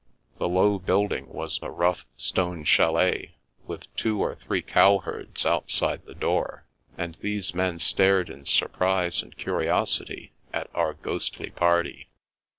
The low building was a rough stone chalet with two or three cowherds outside the door, and these men stared in surprise and curiosity at our ghostly party.